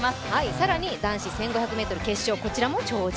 更に男子５０００ｍ決勝、こちらも超人。